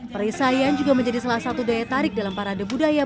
perisaian juga menjadi salah satu daya tarik dalam parade budaya